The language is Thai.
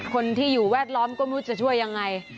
คนที่อยู่แวดล้อมก็ไม่รู้จะช่วยยังไง